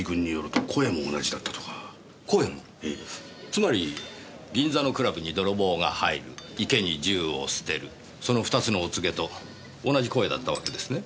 つまり銀座のクラブに泥棒が入る池に銃を捨てるその２つのお告げと同じ声だったわけですね。